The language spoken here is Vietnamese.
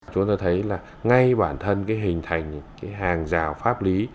chúng ta thấy là ngay bản thân hình thành hàng rào pháp lý